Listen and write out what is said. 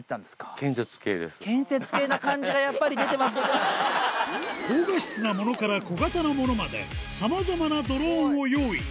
建設系な感じがやっぱり出て高画質なものから、小型のものまで、さまざまなドローンを用意。